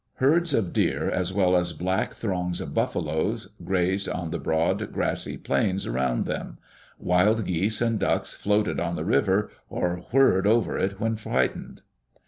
Herds of deer, as well as black throngs of buffaloes, grazed on the broad, grassy plains around them. Wild geese and ducks floated on the river, or whirred over it when frightened.